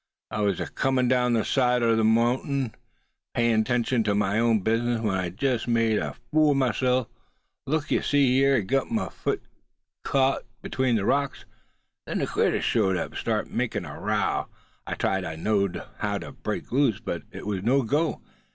"I was acomin' down ther side o' the mounting, paying 'tention to my own business, when I jest made er fool o' myself, like ye see, an' gut a foot fast atween the rocks. Then the critter showed up, and started makin' a row. I tried all I knowed how to break loose, but it was no go.